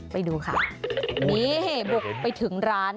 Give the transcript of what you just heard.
ไปดูค่ะนี่บุกไปถึงร้าน